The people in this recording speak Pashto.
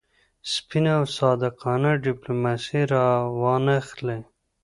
سپینه او صادقانه ډیپلوماسي را وانه خلي.